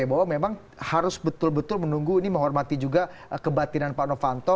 bahwa memang harus betul betul menunggu ini menghormati juga kebatinan pak novanto